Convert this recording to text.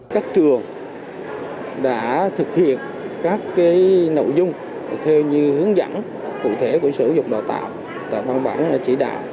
các trường đã thực hiện các cái nội dung theo như hướng dẫn cụ thể của sử dụng đào tạo và văn bản chỉ đạo